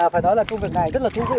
phải nói là công việc này rất là thú vị